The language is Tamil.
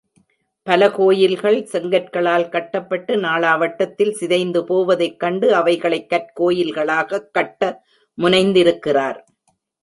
பல கோயில்கள் செங்கற்களால் கட்டப்பட்டு நாளா வட்டத்தில் சிதைந்து போவதைக் கண்டு அவைகளைக் கற்கோயில்களாகக் கட்ட முனைந்திருக்கிறார்.